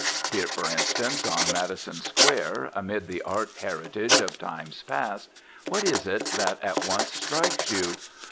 Here, for instance, on Madison Square, amid the art heritage of times past, what is it that at once strikes you?